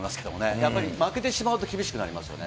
やっぱり負けてしまうと厳しくなりますよね。